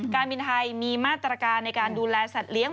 การบินไทยมีมาตรการในการดูแลสัตว์เลี้ยง